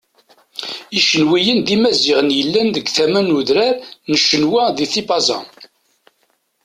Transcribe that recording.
Icenwiyen d Imaziɣen yellan deg tama n udran n Cenwa di Tipaza.